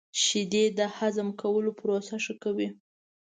• شیدې د هضم کولو پروسه ښه کوي.